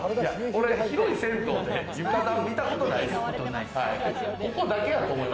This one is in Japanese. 俺、広い銭湯で床暖見たことないっすよ。